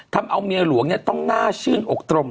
ทำเอาเมียหลวงต้องน่าชื่นอกตรม